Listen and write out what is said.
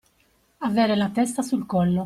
Avere la testa sul collo.